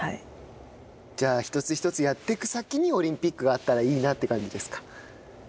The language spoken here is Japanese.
じゃあ、一つ一つやっていく先にオリンピックがあったらいいなという感じですか。